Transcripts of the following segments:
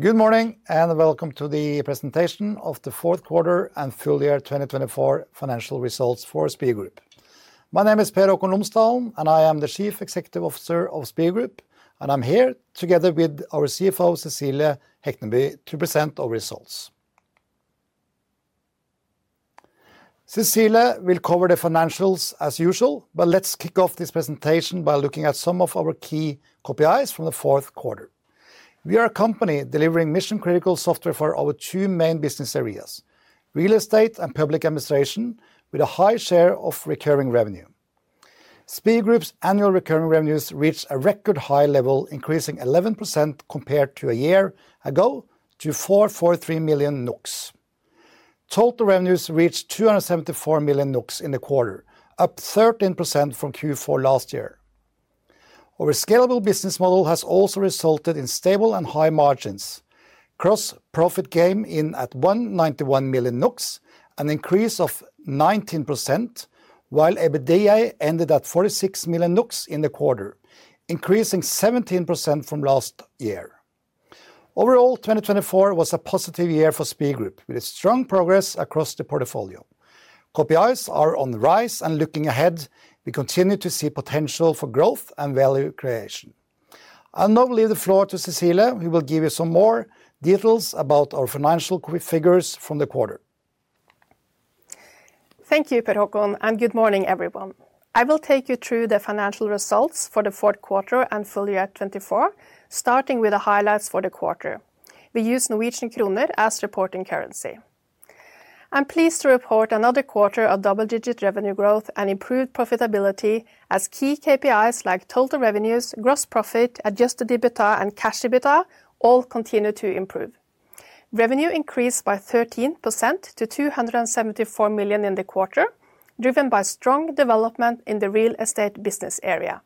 Good morning and welcome to the Presentation of The Fourth Quarter And Full Year 2024 Financial Results For Spir Group. My name is Per Haakon Lomsdalen, and I am the Chief Executive Officer of Spir Group, and I'm here together with our CFO, Cecilie Hekneby, to present our results. Cecilie will cover the financials as usual, but let's kick off this presentation by looking at some of our key KPIs from the fourth quarter. We are a company delivering mission-critical software for our two main business areas: real estate and public administration, with a high share of recurring revenue. Spir Group's annual recurring revenues reached a record high level, increasing 11% compared to a year ago, to 443 million. Total revenues reached 274 million in the quarter, up 13% from Q4 last year. Our scalable business model has also resulted in stable and high margins. Gross profit came in at 191 million, an increase of 19%, while EBITDA ended at 46 million in the quarter, increasing 17% from last year. Overall, 2024 was a positive year for Spir Group, with strong progress across the portfolio. KPIs are on the rise, and looking ahead, we continue to see potential for growth and value creation. I'll now leave the floor to Cecilie, who will give you some more details about our financial figures from the quarter. Thank you, Per Haakon, and good morning, everyone. I will take you through the financial results for the fourth quarter and full year 2024, starting with the highlights for the quarter. We use NOK as reporting currency. I'm pleased to report another quarter of double-digit revenue growth and improved profitability as key KPIs like total revenues, gross profit, adjusted EBITDA, and cash EBITDA all continue to improve. Revenue increased by 13% to 274 million in the quarter, driven by strong development in the real estate business area.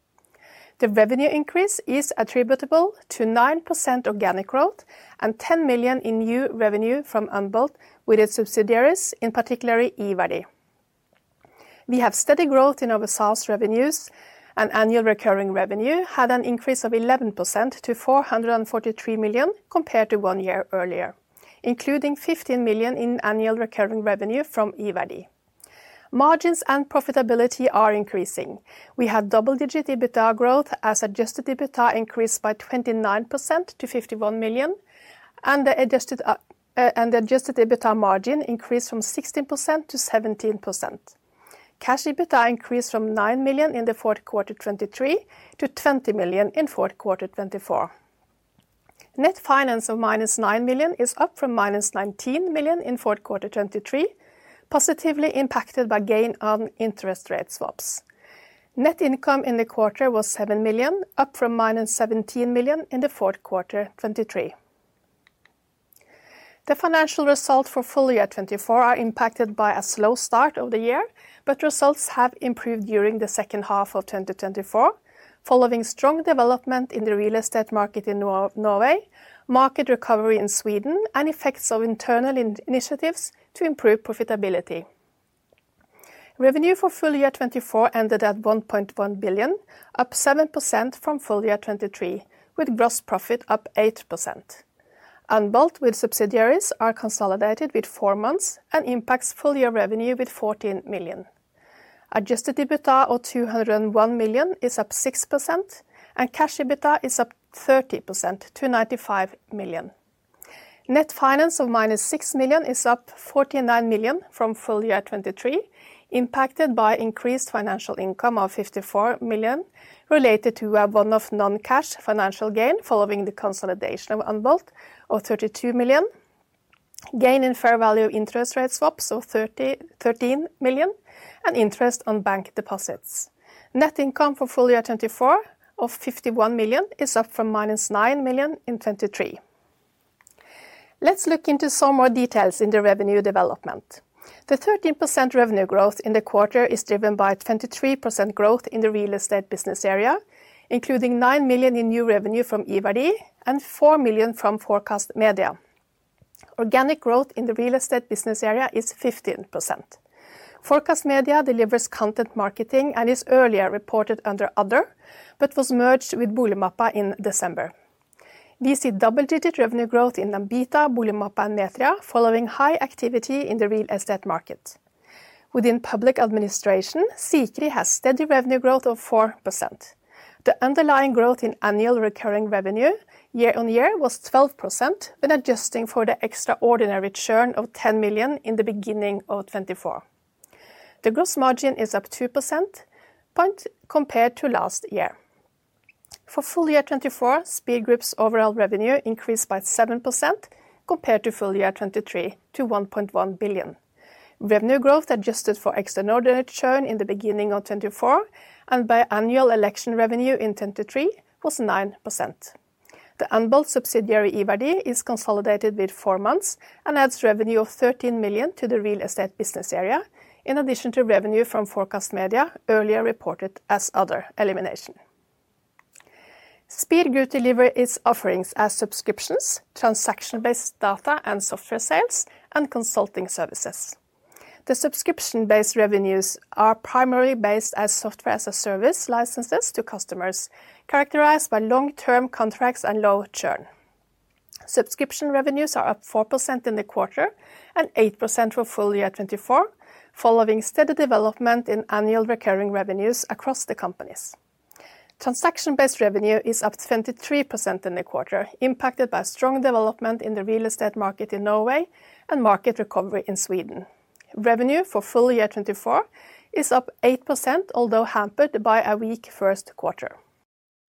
The revenue increase is attributable to 9% organic growth and 10 million in new revenue from Onboard with its subsidiaries, in particular Iverdi. We have steady growth in our sales revenues, and annual recurring revenue had an increase of 11% to 443 million compared to one year earlier, including 15 million in annual recurring revenue from Iverdi. Margins and profitability are increasing. We had double-digit EBITDA growth as adjusted EBITDA increased by 29% to 51 million, and the adjusted EBITDA margin increased from 16%-17%. Cash EBITDA increased from 9 million in the fourth quarter 2023 to 20 million in the fourth quarter 2024. Net finance of -9 million is up from -19 million in the fourth quarter 2023, positively impacted by gain on interest rate swaps. Net income in the quarter was 7 million, up from -17 million in the fourth quarter 2023. The financial results for full year 2024 are impacted by a slow start of the year, but results have improved during the second half of 2024, following strong development in the real estate market in Norway, market recovery in Sweden, and effects of internal initiatives to improve profitability. Revenue for full year 2024 ended at 1.1 billion, up 7% from full year 2023, with gross profit up 8%. Onboard with subsidiaries are consolidated with four months and impacts full year revenue with 14 million. Adjusted EBITDA of 201 million is up 6%, and cash EBITDA is up 30% to 95 million. Net finance of -6 million is up 49 million from full year 2023, impacted by increased financial income of 54 million related to a one-off non-cash financial gain following the consolidation of Onboard of 32 million, gain in fair value interest rate swaps of 13 million, and interest on bank deposits. Net income for full year 2024 of 51 million is up from -9 million in 2023. Let's look into some more details in the revenue development. The 13% revenue growth in the quarter is driven by 23% growth in the real estate business area, including 9 million in new revenue from Iverdi and 4 million from Forecast Media. Organic growth in the real estate business area is 15%. Forecast Media delivers content marketing and is earlier reported under Other, but was merged with Boligmappa in December. We see double-digit revenue growth in Ambita, Boligmappa, and Metria, following high activity in the real estate market. Within public administration, Sikri has steady revenue growth of 4%. The underlying growth in annual recurring revenue year-on-year was 12% when adjusting for the extraordinary churn of 10 million in the beginning of 2024. The gross margin is up 2% compared to last year. For full year 2024, Spir Group's overall revenue increased by 7% compared to full year 2023 to 1.1 billion. Revenue growth adjusted for extraordinary churn in the beginning of 2024 and by annual election revenue in 2023 was 9%. The Onboard subsidiary Iverdi is consolidated with four months and adds revenue of 13 million to the real estate business area, in addition to revenue from Forecast Media earlier reported as Other elimination. Spir Group delivers its offerings as subscriptions, transaction-based data and software sales, and consulting services. The subscription-based revenues are primarily based as software as a service licenses to customers characterized by long-term contracts and low churn. Subscription revenues are up 4% in the quarter and 8% for full year 2024, following steady development in annual recurring revenues across the companies. Transaction-based revenue is up 23% in the quarter, impacted by strong development in the real estate market in Norway and market recovery in Sweden. Revenue for full year 2024 is up 8%, although hampered by a weak first quarter.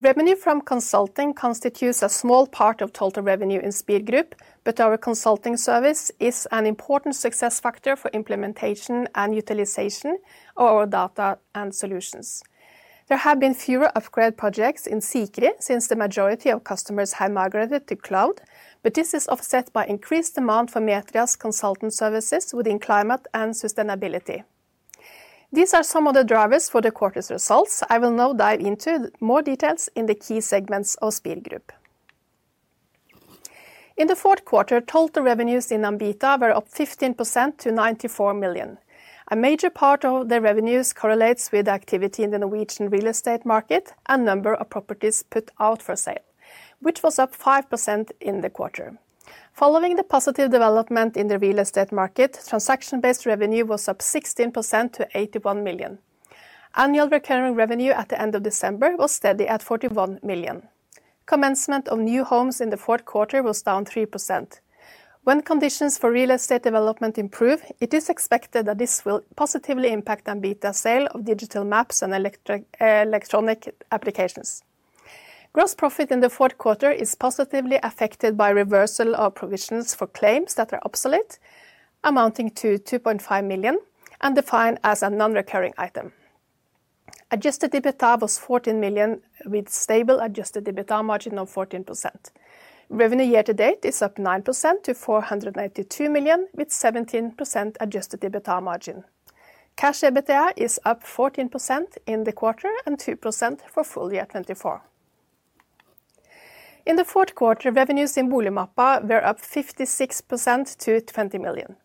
Revenue from consulting constitutes a small part of total revenue in Spir Group, but our consulting service is an important success factor for implementation and utilization of our data and solutions. There have been fewer upgrade projects in Sikri since the majority of customers have migrated to cloud, but this is offset by increased demand for Metria's consulting services within climate and sustainability. These are some of the drivers for the quarter's results. I will now dive into more details in the key segments of Spir Group. In the fourth quarter, total revenues in Ambita were up 15% to 94 million. A major part of the revenues correlates with activity in the Norwegian real estate market and number of properties put out for sale, which was up 5% in the quarter. Following the positive development in the real estate market, transaction-based revenue was up 16% to 81 million. Annual recurring revenue at the end of December was steady at 41 million. Commencement of new homes in the fourth quarter was down 3%. When conditions for real estate development improve, it is expected that this will positively impact Ambita's sale of digital maps and electronic applications. Gross profit in the fourth quarter is positively affected by reversal of provisions for claims that are obsolete, amounting to 2.5 million, and defined as a non-recurring item. Adjusted EBITDA was 14 million, with stable adjusted EBITDA margin of 14%. Revenue year to date is up 9% to 482 million, with 17% adjusted EBITDA margin. Cash EBITDA is up 14% in the quarter and 2% for full year 2024. In the fourth quarter, revenues in Boligmappa were up 56% to 20 million.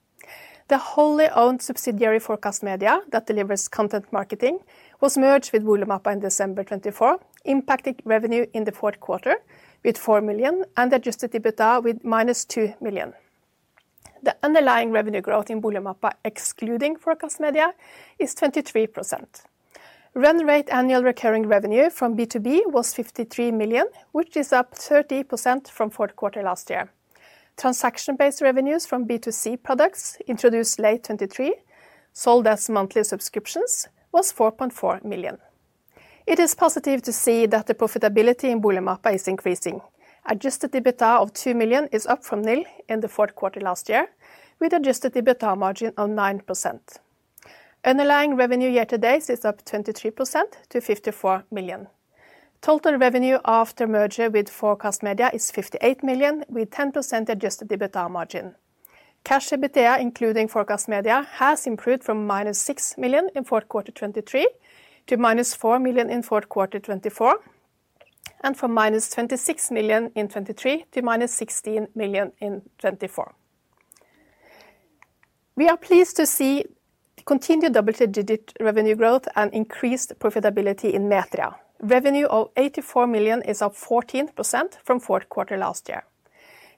The wholly owned subsidiary Forecast Media that delivers content marketing was merged with Boligmappa in December 2024, impacting revenue in the fourth quarter with 4 million and adjusted EBITDA with -2 million. The underlying revenue growth in Boligmappa, excluding Forecast Media, is 23%. Run rate annual recurring revenue from B2B was 53 million, which is up 30% from fourth quarter last year. Transaction-based revenues from B2C products introduced late 2023, sold as monthly subscriptions, was 4.4 million. It is positive to see that the profitability in Boligmappa is increasing. Adjusted EBITDA of 2 million is up from nil in the fourth quarter last year, with adjusted EBITDA margin of 9%. Underlying revenue year to date is up 23% to 54 million. Total revenue after merger with Forecast Media is 58 million, with 10% adjusted EBITDA margin. Cash EBITDA, including Forecast Media, has improved from -6 million in fourth quarter 2023 to -4 million in fourth quarter 2024, and from -26 million in 2023 to -16 million in 2024. We are pleased to see continued double-digit revenue growth and increased profitability in Metria. Revenue of 84 million is up 14% from fourth quarter last year.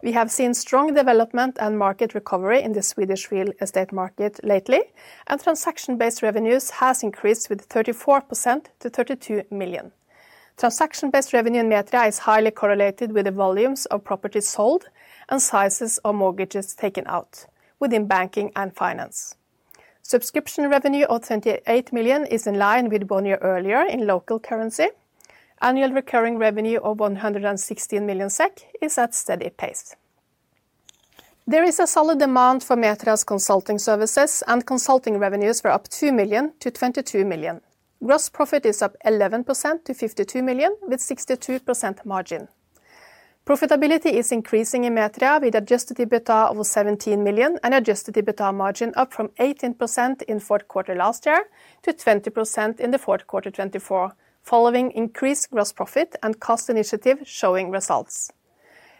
We have seen strong development and market recovery in the Swedish real estate market lately, and transaction-based revenues have increased with 34% to 32 million. Transaction-based revenue in Metria is highly correlated with the volumes of properties sold and sizes of mortgages taken out within banking and finance. Subscription revenue of 28 million is in line with one year earlier in local currency. Annual recurring revenue of 116 million SEK is at steady pace. There is a solid demand for Metria's consulting services, and consulting revenues were up 2 million-22 million. Gross profit is up 11% to 52 million with 62% margin. Profitability is increasing in Metria with adjusted EBITDA of 17 million and adjusted EBITDA margin up from 18% in fourth quarter last year to 20% in the fourth quarter 2024, following increased gross profit and cost initiative showing results.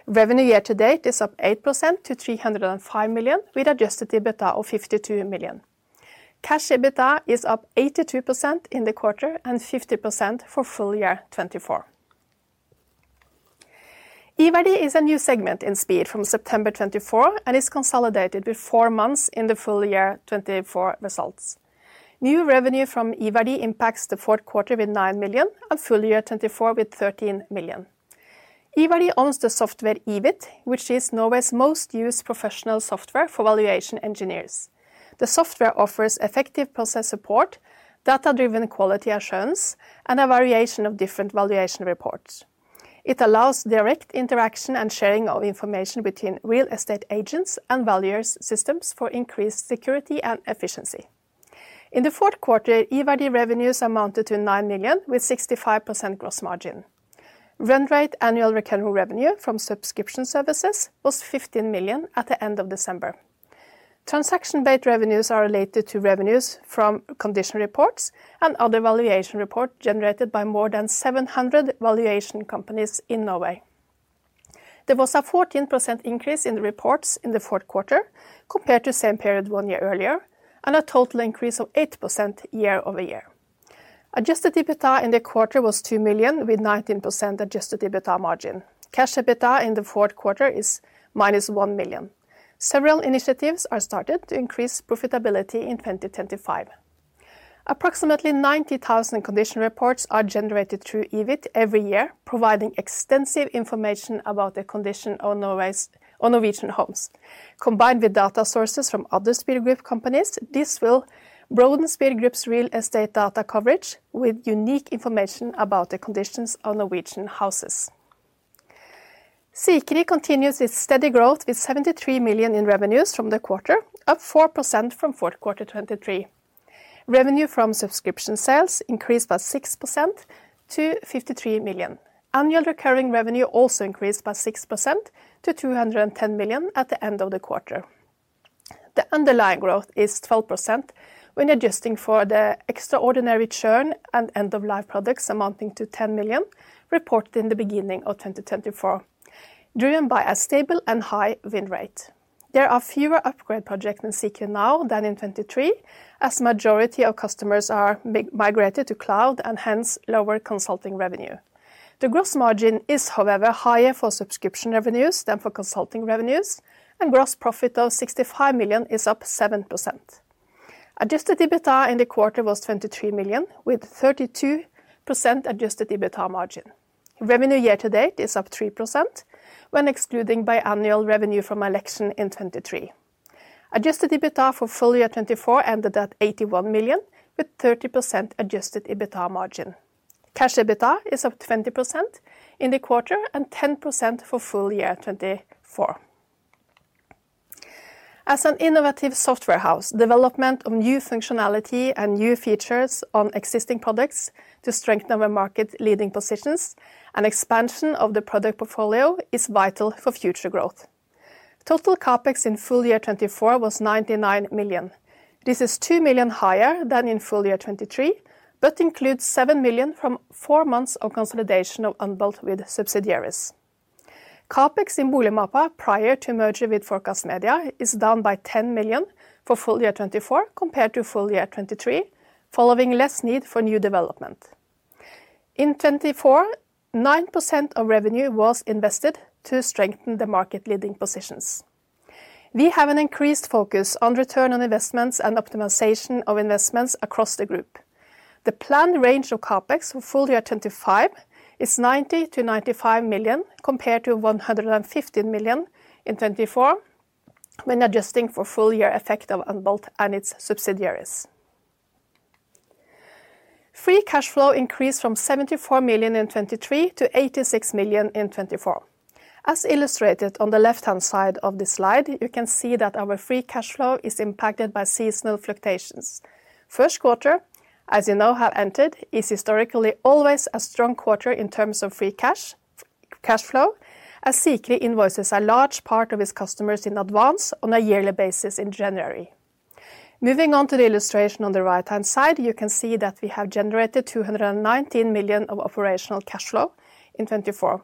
Revenue year to date is up 8% to 305 million with adjusted EBITDA of 52 million. Cash EBITDA is up 82% in the quarter and 50% for full year 2024. Iverdi is a new segment in Spir from September 2024 and is consolidated with four months in the full year 2024 results. New revenue from Iverdi impacts the fourth quarter with 9 million and full year 2024 with 13 million. Iverdi owns the software IVIT, which is Norway's most used professional software for valuation engineers. The software offers effective process support, data-driven quality assurance, and a variation of different valuation reports. It allows direct interaction and sharing of information between real estate agents and valuers' systems for increased security and efficiency. In the fourth quarter, Iverdi revenues amounted to 9 million with 65% gross margin. Run rate annual recurring revenue from subscription services was 15 million at the end of December. Transaction-based revenues are related to revenues from condition reports and other valuation reports generated by more than 700 valuation companies in Norway. There was a 14% increase in the reports in the fourth quarter compared to the same period one year earlier, and a total increase of 8% year-over-year. Adjusted EBITDA in the quarter was 2 million with 19% adjusted EBITDA margin. Cash EBITDA in the fourth quarter is -1 million. Several initiatives are started to increase profitability in 2025. Approximately 90,000 condition reports are generated through IVIT every year, providing extensive information about the condition of Norwegian homes. Combined with data sources from other Spir Group companies, this will broaden Spir Group's real estate data coverage with unique information about the conditions of Norwegian houses. Sikri continues its steady growth with 73 million in revenues from the quarter, up 4% from fourth quarter 2023. Revenue from subscription sales increased by 6% to 53 million. Annual recurring revenue also increased by 6% to 210 million at the end of the quarter. The underlying growth is 12% when adjusting for the extraordinary churn and end-of-life products amounting to 10 million reported in the beginning of 2024, driven by a stable and high win rate. There are fewer upgrade projects in Sikri now than in 2023, as the majority of customers are migrated to cloud and hence lower consulting revenue. The gross margin is, however, higher for subscription revenues than for consulting revenues, and gross profit of 65 million is up 7%. Adjusted EBITDA in the quarter was 23 million with 32% adjusted EBITDA margin. Revenue year to date is up 3% when excluding biannual revenue from election in 2023. Adjusted EBITDA for full year 2024 ended at 81 million with 30% adjusted EBITDA margin. Cash EBITDA is up 20% in the quarter and 10% for full year 2024. As an innovative software house, development of new functionality and new features on existing products to strengthen our market leading positions and expansion of the product portfolio is vital for future growth. Total CAPEX in full year 2024 was 99 million. This is 2 million higher than in full year 2023, but includes 7 million from four months of consolidation of Onboard with subsidiaries. CAPEX in Boligmappa, prior to merger with Forecast Media, is down by 10 million for full year 2024 compared to full year 2023, following less need for new development. In 2024, 9% of revenue was invested to strengthen the market leading positions. We have an increased focus on return on investments and optimization of investments across the group. The planned range of CAPEX for full year 2025 is 90-95 million compared to 115 million in 2024, when adjusting for full year effect of Onboard and its subsidiaries. Free cash flow increased from 74 million in 2023 to 86 million in 2024. As illustrated on the left-hand side of the slide, you can see that our free cash flow is impacted by seasonal fluctuations. First quarter, as you know, has entered, is historically always a strong quarter in terms of free cash flow, as Sikri invoices a large part of its customers in advance on a yearly basis in January. Moving on to the illustration on the right-hand side, you can see that we have generated 219 million of operational cash flow in 2024.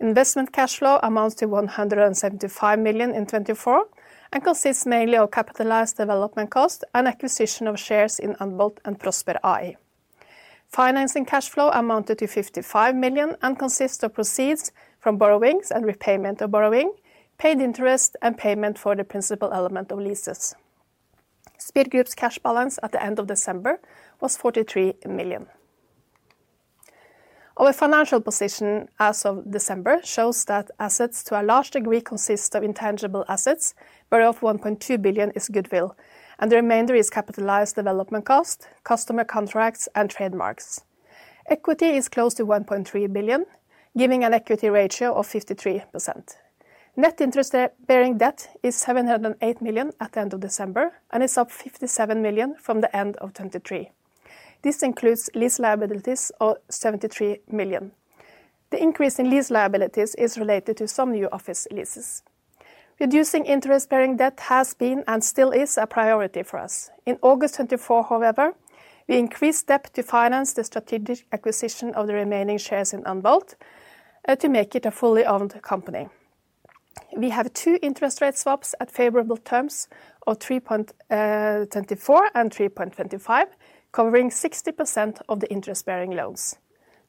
Investment cash flow amounts to 175 million in 2024 and consists mainly of capitalized development costs and acquisition of shares in Onboard and Prosper AI. Financing cash flow amounted to 55 million and consists of proceeds from borrowings and repayment of borrowing, paid interest, and payment for the principal element of leases. Spir Group's cash balance at the end of December was 43 million. Our financial position as of December shows that assets to a large degree consist of intangible assets, whereof 1.2 billion is goodwill, and the remainder is capitalized development costs, customer contracts, and trademarks. Equity is close to 1.3 billion, giving an equity ratio of 53%. Net interest-bearing debt is 708 million at the end of December and is up 57 million from the end of 2023. This includes lease liabilities of 73 million. The increase in lease liabilities is related to some new office leases. Reducing interest-bearing debt has been and still is a priority for us. In August 2024, however, we increased debt to finance the strategic acquisition of the remaining shares in Onboard to make it a fully owned company. We have two interest rate swaps at favorable terms of 3.24% and 3.25%, covering 60% of the interest-bearing loans.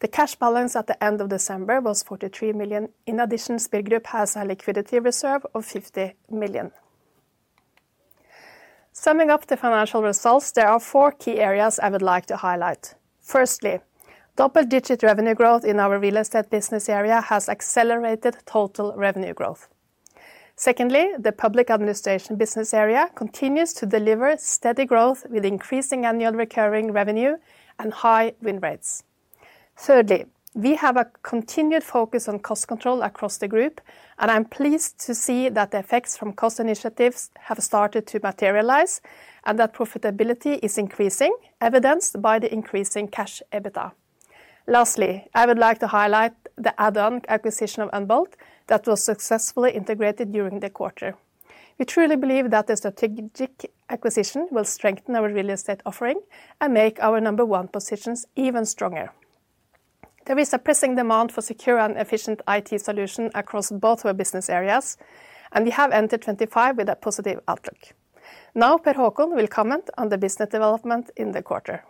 The cash balance at the end of December was 43 million. In addition, Spir Group has a liquidity reserve of 50 million. Summing up the financial results, there are four key areas I would like to highlight. Firstly, double-digit revenue growth in our real estate business area has accelerated total revenue growth. Secondly, the public administration business area continues to deliver steady growth with increasing annual recurring revenue and high win rates. Thirdly, we have a continued focus on cost control across the group, and I'm pleased to see that the effects from cost initiatives have started to materialize and that profitability is increasing, evidenced by the increasing cash EBITDA. Lastly, I would like to highlight the add-on acquisition of Onboard that was successfully integrated during the quarter. We truly believe that the strategic acquisition will strengthen our real estate offering and make our number one positions even stronger. There is a pressing demand for secure and efficient IT solutions across both our business areas, and we have entered 2025 with a positive outlook. Now, Per Haakon, we'll comment on the business development in the quarter.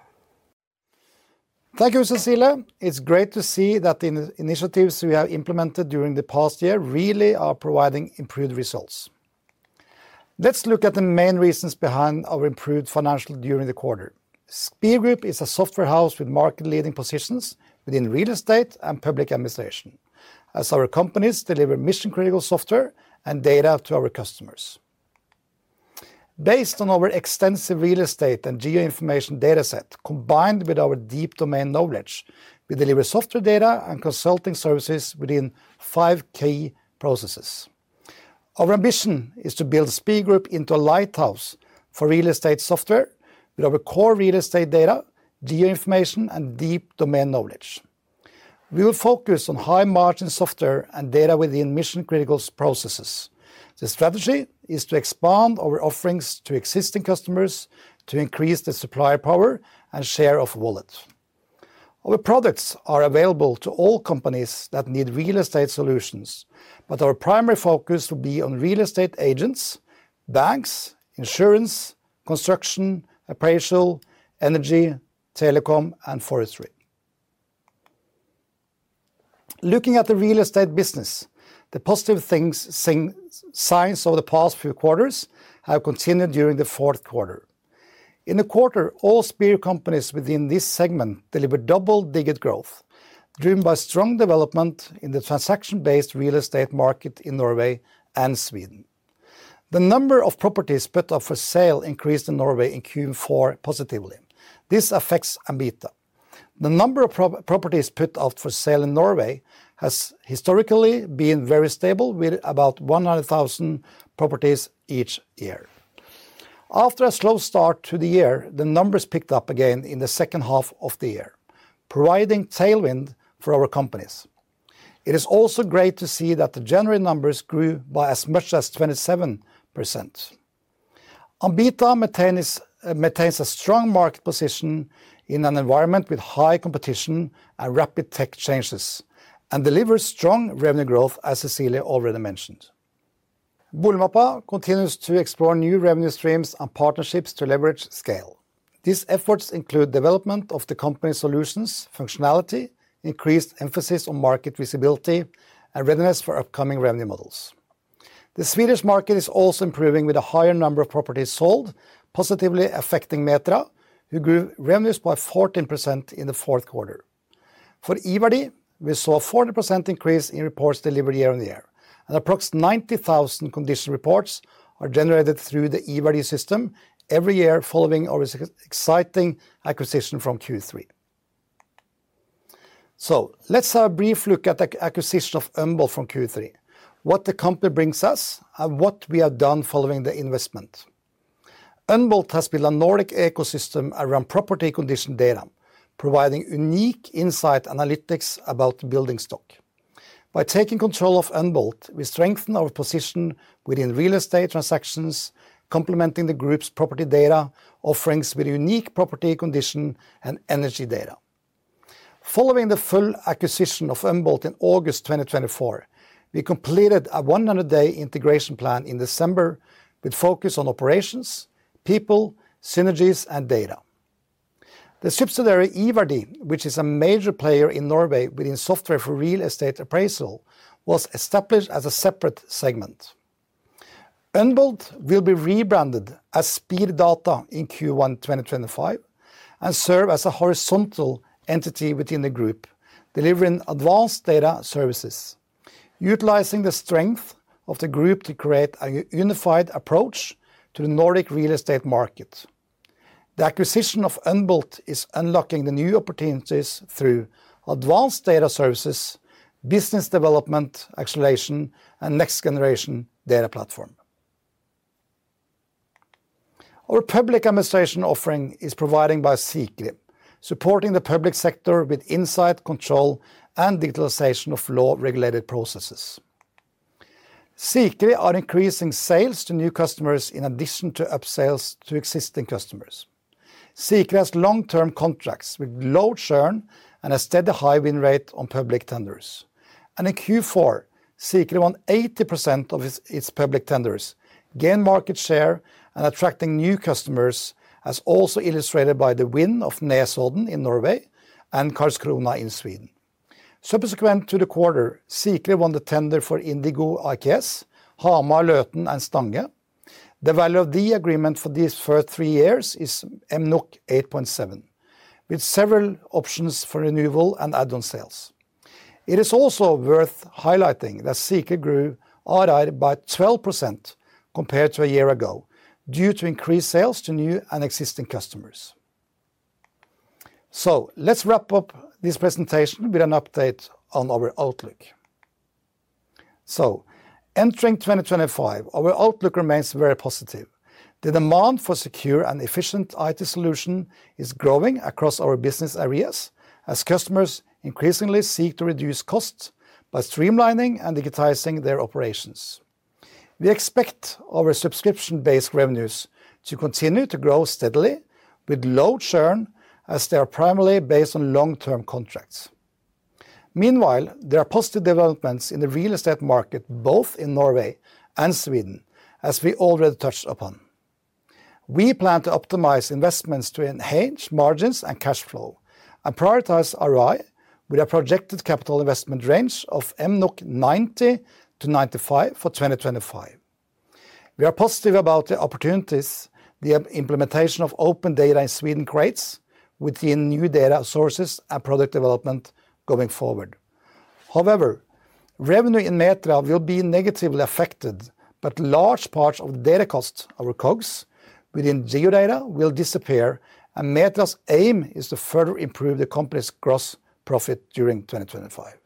Thank you, Cecilie. It's great to see that the initiatives we have implemented during the past year really are providing improved results. Let's look at the main reasons behind our improved financial during the quarter. Spir Group is a software house with market-leading positions within real estate and public administration, as our companies deliver mission-critical software and data to our customers. Based on our extensive real estate and geoinformation dataset, combined with our deep domain knowledge, we deliver software data and consulting services within five key processes. Our ambition is to build Spir Group into a lighthouse for real estate software with our core real estate data, geoinformation, and deep domain knowledge. We will focus on high-margin software and data within mission-critical processes. The strategy is to expand our offerings to existing customers to increase the supply power and share of the wallet. Our products are available to all companies that need real estate solutions, but our primary focus will be on real estate agents, banks, insurance, construction, appraisal, energy, telecom, and forestry. Looking at the real estate business, the positive signs of the past few quarters have continued during the fourth quarter. In the quarter, all Spir companies within this segment delivered double-digit growth, driven by strong development in the transaction-based real estate market in Norway and Sweden. The number of properties put up for sale increased in Norway in Q4 positively. This affects EBITDA. The number of properties put out for sale in Norway has historically been very stable, with about 100,000 properties each year. After a slow start to the year, the numbers picked up again in the second half of the year, providing tailwind for our companies. It is also great to see that the January numbers grew by as much as 27%. EBITDA maintains a strong market position in an environment with high competition and rapid tech changes and delivers strong revenue growth, as Cecilie already mentioned. Boligmappa continues to explore new revenue streams and partnerships to leverage scale. These efforts include development of the company's solutions, functionality, increased emphasis on market visibility, and readiness for upcoming revenue models. The Swedish market is also improving with a higher number of properties sold, positively affecting Metria, who grew revenues by 14% in the fourth quarter. For Iverdi, we saw a 40% increase in reports delivered year-on-year, and approximately 90,000 condition reports are generated through the Iverdi system every year following our exciting acquisition from Q3. Let us have a brief look at the acquisition of Onboard from Q3, what the company brings us, and what we have done following the investment. Onboard has built a Nordic ecosystem around property condition data, providing unique insight analytics about building stock. By taking control of Onboard, we strengthen our position within real estate transactions, complementing the group's property data offerings with unique property condition and energy data. Following the full acquisition of Onboard in August 2024, we completed a 100-day integration plan in December with focus on operations, people, synergies, and data. The subsidiary Iverdi, which is a major player in Norway within software for real estate appraisal, was established as a separate segment. Onboard will be rebranded as Spir Data in Q1 2025 and serve as a horizontal entity within the group, delivering advanced data services, utilizing the strength of the group to create a unified approach to the Nordic real estate market. The acquisition of Onboard is unlocking the new opportunities through advanced data services, business development, acceleration, and next-generation data platform. Our public administration offering is provided by Sikri, supporting the public sector with insight, control, and digitalization of law-regulated processes. Sikri are increasing sales to new customers in addition to upsales to existing customers. Sikri has long-term contracts with low churn and a steady high win rate on public tenders. In Q4, Sikri won 80% of its public tenders, gained market share, and attracted new customers, as also illustrated by the win of Nesodden in Norway and Karlskrona in Sweden. Subsequent to the quarter, Sikri won the tender for Indigo IKS, Hamar, Løten, and Stange. The value of the agreement for these first three years is 8.7 million, with several options for renewal and add-on sales. It is also worth highlighting that Sikri grew ARR by 12% compared to a year ago due to increased sales to new and existing customers. Let's wrap up this presentation with an update on our outlook. Entering 2025, our outlook remains very positive. The demand for secure and efficient IT solutions is growing across our business areas, as customers increasingly seek to reduce costs by streamlining and digitizing their operations. We expect our subscription-based revenues to continue to grow steadily with low churn, as they are primarily based on long-term contracts. Meanwhile, there are positive developments in the real estate market, both in Norway and Sweden, as we already touched upon. We plan to optimize investments to enhance margins and cash flow and prioritize ARR with a projected capital investment range of 90 million-95 million for 2025. We are positive about the opportunities the implementation of open data in Sweden creates within new data sources and product development going forward. However, revenue in Metria will be negatively affected, but large parts of the data costs, our COGS within geodata, will disappear, and Metria's aim is to further improve the company's gross profit during 2025.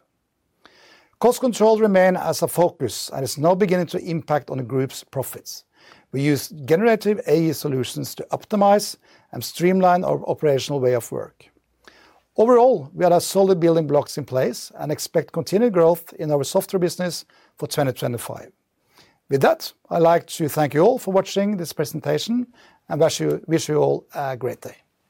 Cost control remains as a focus and is now beginning to impact the group's profits. We use generative AI solutions to optimize and streamline our operational way of work. Overall, we have solid building blocks in place and expect continued growth in our software business for 2025. With that, I'd like to thank you all for watching this presentation and wish you all a great day.